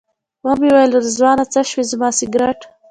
ومې ویل رضوانه څه شو زما سګرټ.